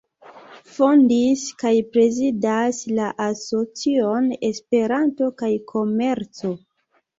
Fondis kaj prezidas la Asocion Esperanto kaj Komerco.